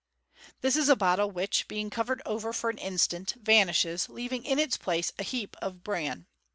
— This is a bottle, which, being covered over for an instant, vanishes, leaving in its place a heap of bran.